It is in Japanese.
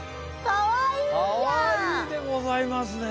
かわいいでございますね。